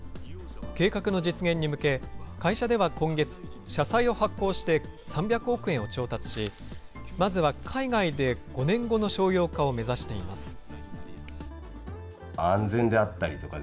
計画の実現に向け、会社では今月、社債を発行して３００億円を調達し、まずは海外で５年後の商用化を目指しています。